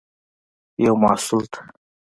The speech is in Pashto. یو محصول ته